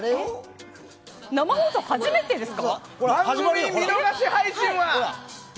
生放送初めてですか？